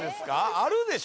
あるでしょ？